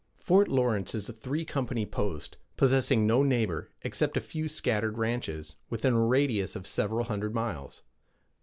Fort Lawrence is a three company post, possessing no neighbor, except a few scattered ranches, within a radius of several hundred miles.